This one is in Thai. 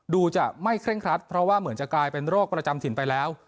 จะไม่เคร่งครัดเพราะว่าเหมือนจะกลายเป็นโรคประจำถิ่นไปแล้ว